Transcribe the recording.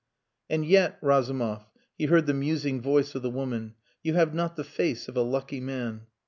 "And yet, Razumov," he heard the musing voice of the woman, "you have not the face of a lucky man."